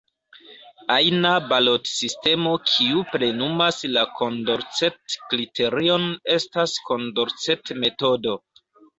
Ajna balotsistemo kiu plenumas la Kondorcet-kriterion estas Kondorcet-metodo.